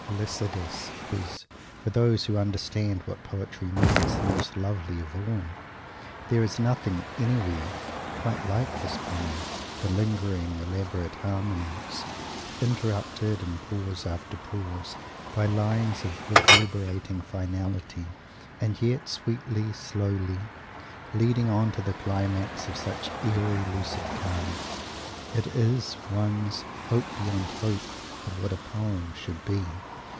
Lycidas is, for those who understand what poetry means, the most lovely of all. There is nothing, anywhere, quite like this poem. The lingering, elaborate harmonies, interrupted in pause after pause, by lines of reverberating finality; and yet, sweetly, slowly leading on to a climax of such airy, lucid calm it is one's "hope beyond hope" of what a poem should be.